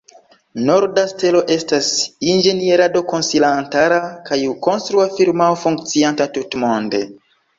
Norda Stelo estas inĝenierado-konsilantara kaj konstrua firmao funkcianta tutmonde.